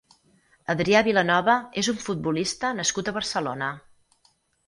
Adrià Vilanova és un futbolista nascut a Barcelona.